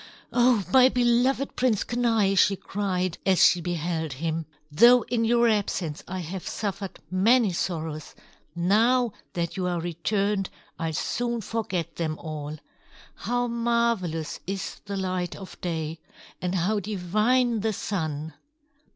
"Oh, my beloved Prince Kenai!" she cried, as she beheld him. "Though in your absence I have suffered many sorrows, now that you are returned, I'll soon forget them all. How marvelous is the light of day! And how divine the Sun!"